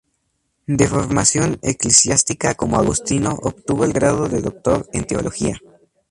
De formación eclesiástica como agustino, obtuvo el grado de doctor en teología.